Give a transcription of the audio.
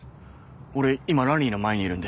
俺今ランリーの前にいるんで。